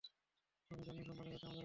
তুমি জালিম সম্প্রদায় হতে আমাকে রক্ষা কর।